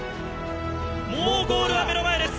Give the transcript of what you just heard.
もうゴールは目の前です。